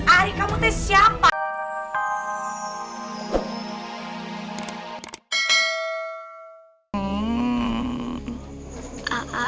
ari kamu tes siapa